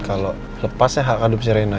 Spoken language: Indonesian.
kalau lepasnya hak adem si reina